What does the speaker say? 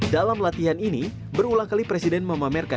dalam latihan ini berulang kali presiden memamerkan